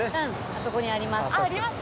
あそこにあります。